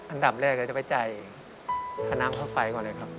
อันดับแรกเราจะไปจ่ายค่าน้ำค่าไฟก่อนเลยครับ